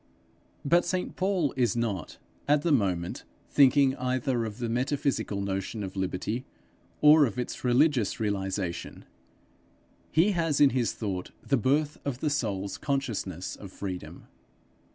But St Paul is not at the moment thinking either of the metaphysical notion of liberty, or of its religious realization; he has in his thought the birth of the soul's consciousness of freedom.